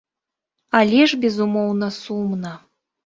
Але ж, безумоўна, сумна.